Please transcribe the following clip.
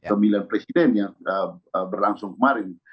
pemilihan presiden yang berlangsung kemarin